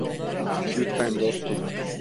Lütfen dostum.